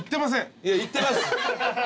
いや行ってます。